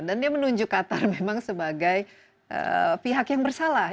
dan dia menunjuk qatar memang sebagai pihak yang bersalah